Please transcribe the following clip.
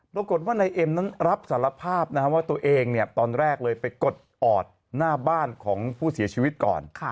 ปรากฏว่านายเอ็มนั้นรับสารภาพว่าตัวเองตอนแรกเลยไปกดออดหน้าบ้านของผู้เสียชีวิตก่อน